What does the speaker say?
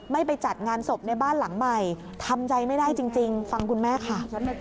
ไปจัดงานศพในบ้านหลังใหม่ทำใจไม่ได้จริงฟังคุณแม่ค่ะ